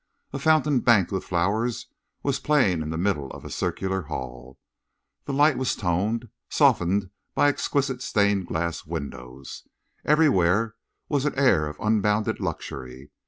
A fountain banked with flowers was playing in the middle of a circular hall. The light was toned and softened by exquisite stained glass windows. Everywhere was an air of unbounded luxury.